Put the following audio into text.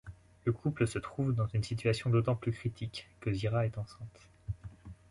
Le couple se trouve dans une situation d'autant plus critique que Zira est enceinte.